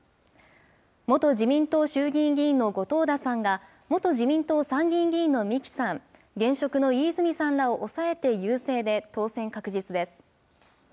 元自民党衆議院議員の後藤田さんが、元自民党参議院議員の三木さん、現職の飯泉さんらを抑えて優勢で、当選確実です。